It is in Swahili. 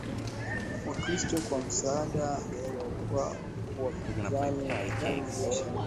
Wakristo kwa msaada wa Wabizanti lakini jeshi lililofuata lilishinda